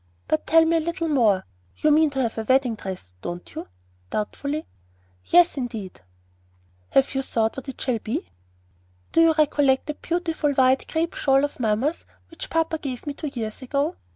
"But tell me a little more. You mean to have a wedding dress, don't you?" doubtfully. "Yes, indeed!" "Have you thought what it shall be?" "Do you recollect that beautiful white crape shawl of mamma's which papa gave me two years ago?